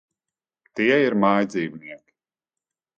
Tie ir mājdzīvnieki.